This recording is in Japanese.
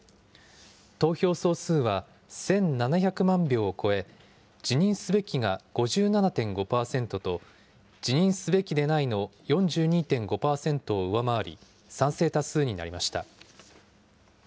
投票総数は１７００万票を超え、辞任すべきが５７．５％と、辞任すべきでないの４２．５％を上回り、賛成多数になりました。